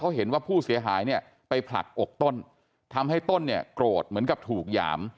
เขาเห็นว่าผู้เสียหายเนี่ยไปผลักอกต้นทำให้ต้นเนี่ยโกรธเหมือนกับถูกหยาม